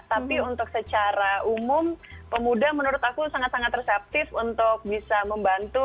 tapi untuk secara umum pemuda menurut aku sangat sangat reseptif untuk bisa membantu